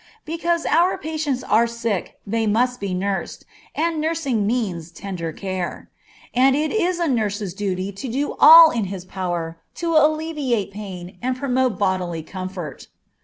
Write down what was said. Because our patients are sick they must be nursed, and nursing means tender care. And it is a nurse's duty to do all in his power to alleviate pain and promote bodily comfort.